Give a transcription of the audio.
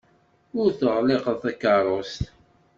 Ur teɣliqeḍ takeṛṛust?